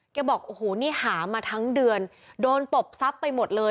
บอกโอ้โหนี่หามาทั้งเดือนโดนตบทรัพย์ไปหมดเลย